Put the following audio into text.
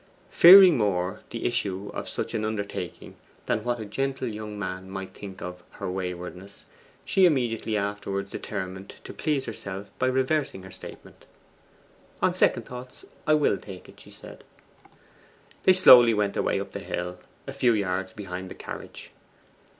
Fearing more the issue of such an undertaking than what a gentle young man might think of her waywardness, she immediately afterwards determined to please herself by reversing her statement. 'On second thoughts, I will take it,' she said. They slowly went their way up the hill, a few yards behind the carriage.